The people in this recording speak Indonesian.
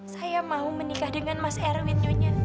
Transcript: saya mau menikah dengan mas erwin nyonya